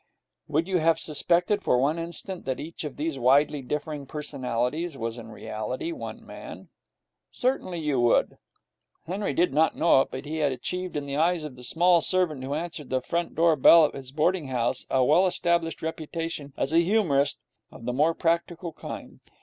Would you have suspected for one instant that each of these widely differing personalities was in reality one man? Certainly you would. Henry did not know it, but he had achieved in the eyes of the small servant who answered the front door bell at his boarding house a well established reputation as a humorist of the more practical kind.